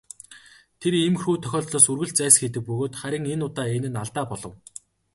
Тэр иймэрхүү тохиолдлоос үргэлж зайлсхийдэг бөгөөд харин энэ удаа энэ нь алдаа болов.